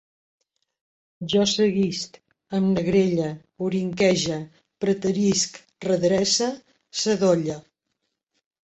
Jo seguisc, em negrelle, orinquege, preterisc, redrece, sadolle